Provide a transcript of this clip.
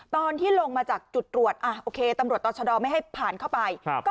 ตอนที่ลงมาจากจุดตรวจโอเคตำรวจต่อชะดอไม่ให้ผ่านเข้าไป